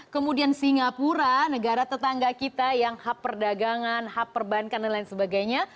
kemudian singapura negara tetangga kita yang hub perdagangan hub perbankan dan lain sebagainya